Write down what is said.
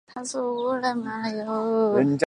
求学阶段都在台湾省立台南启聪学校念书。